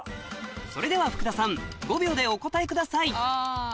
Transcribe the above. それでは福田さん５秒でお答えください